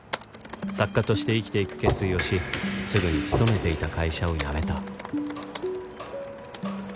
作家として生きていく決意をしすぐに勤めていた会社を辞めた